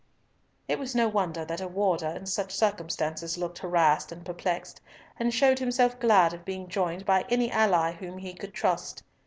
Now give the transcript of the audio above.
It was no wonder that a warder in such circumstances looked harassed and perplexed, and showed himself glad of being joined by any ally whom he could trust.